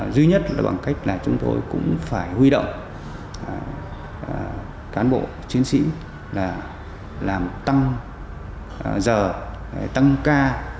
thứ nhất là bằng cách là chúng tôi cũng phải huy động cán bộ chiến sĩ là làm tăng giờ tăng ca